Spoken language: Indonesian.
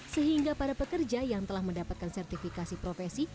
sehingga para pekerja yang telah mendapatkan sertifikasi profesi